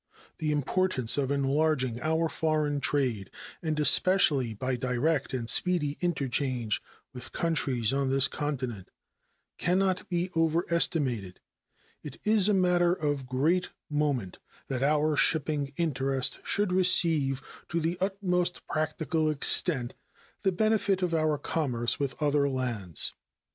The importance of enlarging our foreign trade, and especially by direct and speedy interchange with countries on this continent, can not be overestimated; and it is a matter of great moment that our own shipping interest should receive, to the utmost practical extent, the benefit of our commerce with other lands.